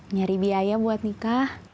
nyari biaya buat nikah